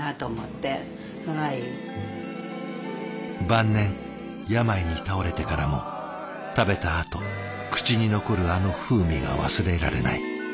晩年病に倒れてからも「食べたあと口に残るあの風味が忘れられない。